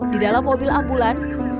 di dalam mobil ambulans